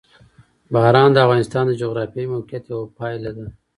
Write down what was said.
باران د افغانستان د جغرافیایي موقیعت یوه پایله ده.